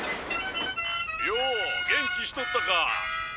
よお元気しとったか。